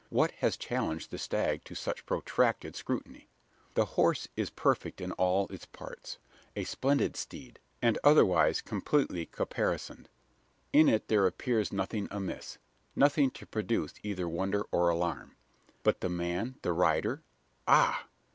What has challenged the stag to such protracted scrutiny? The horse is perfect in all its parts a splendid steed, saddled, bridled, and otherwise completely caparisoned. In it there appears nothing amiss nothing to produce either wonder or alarm. But the man the rider? Ah!